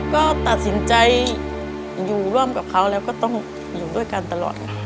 ก็ตัดสินใจอยู่ร่วมกับเขาแล้วก็ต้องอยู่ด้วยกันตลอด